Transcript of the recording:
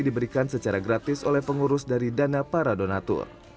diberikan secara gratis oleh pengurus dari dana para donatur